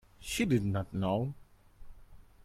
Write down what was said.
She did not know.